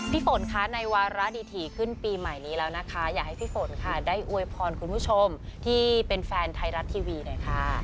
ฝนคะในวาระดีถี่ขึ้นปีใหม่นี้แล้วนะคะอยากให้พี่ฝนค่ะได้อวยพรคุณผู้ชมที่เป็นแฟนไทยรัฐทีวีหน่อยค่ะ